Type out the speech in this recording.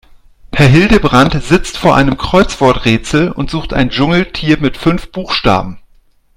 Herr Hildebrand sitzt vor einem Kreuzworträtsel und sucht ein Dschungeltier mit fünf Buchstaben.